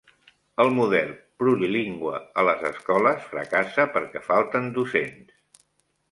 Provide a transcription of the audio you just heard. El model plurilingüe a les escoles fracassa perquè falten docents